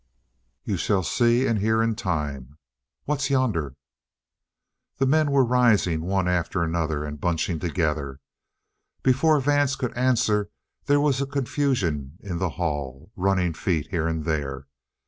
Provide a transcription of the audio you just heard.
"You'll see and hear in time. What's yonder?" The men were rising, one after another, and bunching together. Before Vance could answer, there was a confusion in the hall, running feet here and there.